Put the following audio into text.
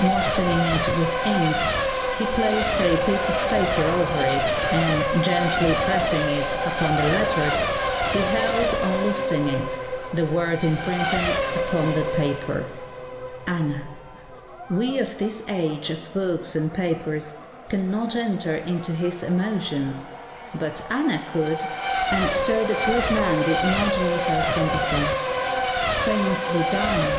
Moistening it with ink, he placed a piece of paper over it, and, gently pressing it upon the letters, beheld, on lifting it, the word imprinted upon the paper. [Illustration: Anna] We of this age of books and papers cannot enter into his emotions. But Anna could, and so the good man did not miss our sympathy. "Famously done!"